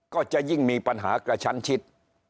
ก็จะยิ่งมีปัญหากระชั้นชิด